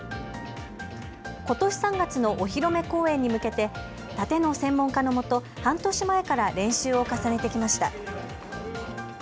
ことし３月のお披露目公演に向けてたての専門家のもと、半年前から練習を重ねてきました。